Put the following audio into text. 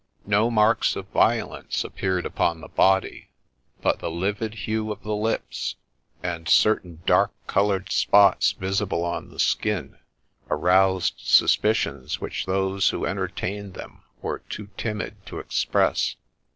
No marks of violence appeared upon the body ; but the livid hue of the lips, and certain dark 4 THE SPECTRE coloured spots visible on the skin, aroused suspicions which those who entertained them were too timid to express.